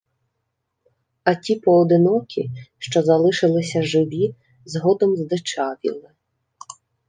А ті поодинокі, що залишилися живі, згодом здичавіли